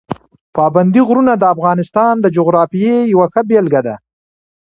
پابندي غرونه د افغانستان د جغرافیې یوه ښه بېلګه ده.